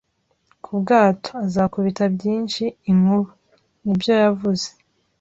kubwato, azakubita byinshi, inkuba! ' Nibyo yavuze.